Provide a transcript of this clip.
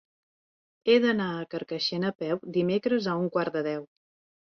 He d'anar a Carcaixent a peu dimecres a un quart de deu.